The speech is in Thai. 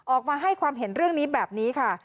ออกมาให้ความเห็นเรื่องนี้แบบนี้ค่ะ